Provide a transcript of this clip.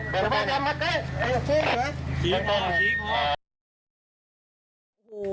จับมัดได้ชี้พอ